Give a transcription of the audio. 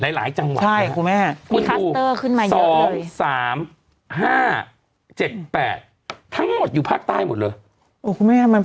หลายจังหวัดนะครับคุณดู๒๓๕๗๘ทั้งหมดอยู่ภาคใต้หมดเลย